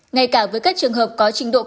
ngay cả với các trường hợp có trình độ